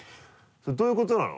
どういうことなの？